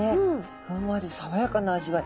ふんわり爽やかな味わい。